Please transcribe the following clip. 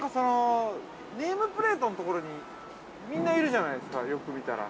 ネームプレートのところにみんないるじゃないですかよく見たら。